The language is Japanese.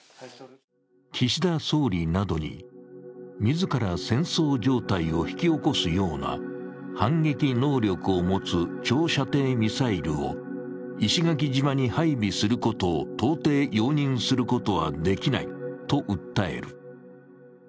岸田総理などに、自ら戦争状態を引き起こすような反撃能力を持つ長射程ミサイルを石垣島に配備することを到底容認することはできないと訴える。